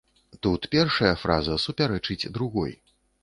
Тут першая фраза супярэчыць другой.